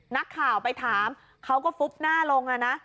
นักข่าวไปถามเขาก็ฟุบหน้าลงนะ